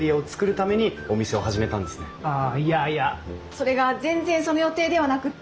それが全然その予定ではなくって。